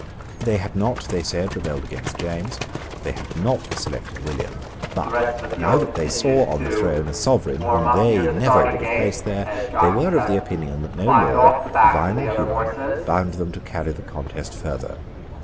They had not, they said, rebelled against James. They had not selected William. But, now that they saw on the throne a Sovereign whom they never would have placed there, they were of opinion that no law, divine or human, bound them to carry the contest further.